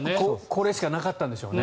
これしかなかったんでしょうね。